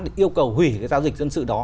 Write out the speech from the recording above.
để yêu cầu hủy cái giao dịch dân sự đó